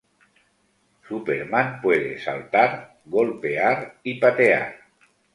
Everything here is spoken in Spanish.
Superman puede saltar, golpear y patear.